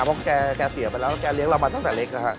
เพราะแกเสียไปแล้วแกเลี้ยเรามาตั้งแต่เล็ก